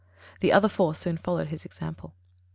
The other four soon followed his example.